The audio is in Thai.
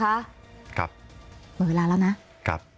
กำลังเวลาแล้วนะ